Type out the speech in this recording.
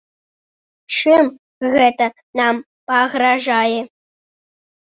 Чым гэта нам пагражае?